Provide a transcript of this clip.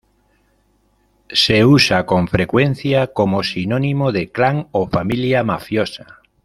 Se usa con frecuencia como sinónimo de clan o familia mafiosa.